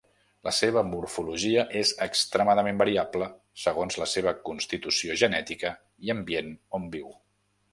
La seva morfologia és extremadament variable segons la seva constitució genètica i ambient on viu.